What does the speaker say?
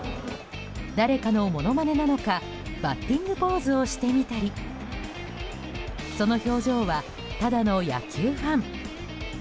誰かの、ものまねなのかバッティングポーズをしてみたりその表情は、ただの野球ファン。